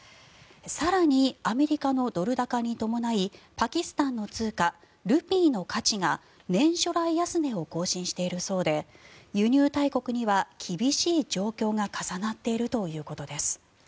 更に、アメリカのドル高に伴いパキスタンの通貨ルピーの価値が年初来安値を更新しているそうで輸入大国には厳しい状況が重なっているということです。